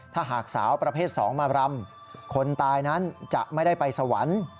ถ้าหากสาวประเภท๒มารำคนตายนั้นจะไม่ได้ไปสวรรค์